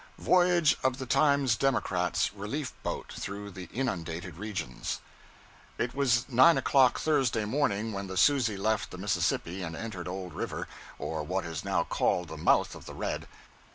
VOYAGE OF THE TIMES DEMOCRAT'S RELIEF BOAT THROUGH THE INUNDATED REGIONS IT was nine o'clock Thursday morning when the 'Susie' left the Mississippi and entered Old River, or what is now called the mouth of the Red.